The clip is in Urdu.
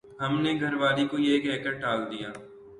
ہم نے گھر والی کو یہ کہہ کر ٹال دیا